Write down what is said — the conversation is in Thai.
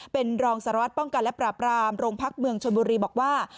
เป็นรองสารวัตรป้องกันและปราบรามโรงพักเมืองชนบุรีบอกว่า